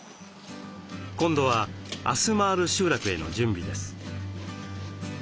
今度はあす回る集落への準備です。